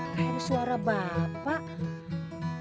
akhirnya suara bapak